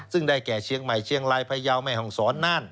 ซึ่งได้แก่เชียงใหม่เชียงรายพยาวแม่ห้องศรน่าน